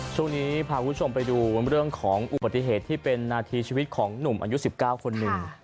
ช่วงนี้พาคุณผู้ชมไปดูเรื่องของอุบัติเหตุที่เป็นนาทีชีวิตของหนุ่มอายุ๑๙คนหนึ่ง